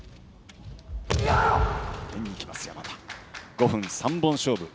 ５分３本勝負。